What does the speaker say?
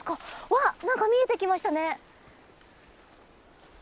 わっ何か見えてきましたね。